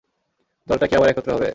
দলটা কি আবার একত্র হবে?